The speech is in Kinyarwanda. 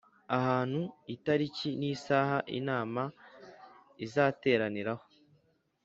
ahantu itariki n isaha inama izateraniraho